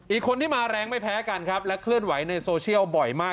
อีกคนที่มาแรงไม่แพ้กันครับและเคลื่อนไหวในโซเชียลบ่อยมาก